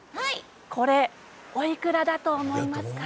これ、おいくらだと思いますか？